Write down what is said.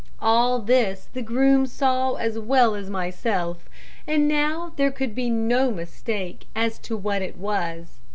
All this the groom saw as well as myself; and now there could be no mistake as to what it was.